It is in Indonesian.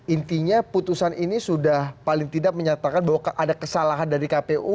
intinya putusan ini sudah paling tidak menyatakan bahwa ada kesalahan dari kpu